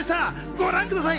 ご覧ください。